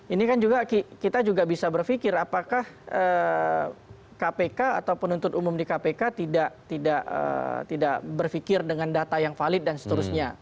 ini kan juga kita juga bisa berpikir apakah kpk atau penuntut umum di kpk tidak berpikir dengan data yang valid dan seterusnya